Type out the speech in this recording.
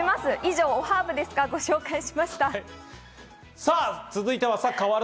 以上「おハーブですわ」、ご紹介しました。